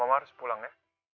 mama harus pulang ya